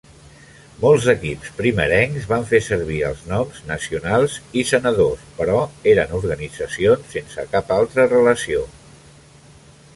Molts equips primerencs van fer servir els noms "Nacionals" i "Senadors", però eren organitzacions sense cap altra relació.